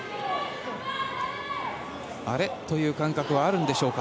あれ？という感覚はあるんでしょうか